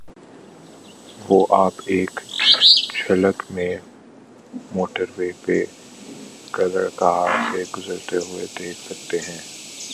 وہ آپ ایک جھلک میں موٹروے پہ کلرکہار سے گزرتے ہوئے دیکھ سکتے ہیں۔